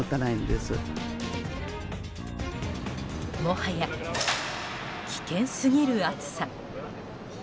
もはや危険すぎる暑さ。